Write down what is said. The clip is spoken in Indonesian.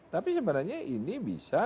tapi sebenarnya ini bisa